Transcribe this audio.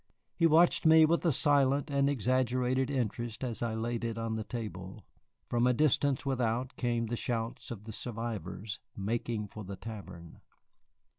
He watched me with a silent and exaggerated interest as I laid it on the table. From a distance without came the shouts of the survivors making for the tavern.